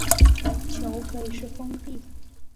球可以是封闭的。